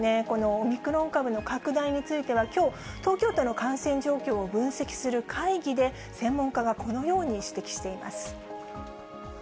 このオミクロン株の拡大については、きょう東京都の感染状況を分析する会議で、専門家が、このように指摘しています。